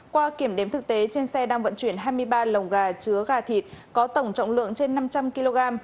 qua kiểm đếm thực tế trên xe đang vận chuyển hai mươi ba lồng gà chứa gà thịt có tổng trọng lượng trên năm trăm linh kg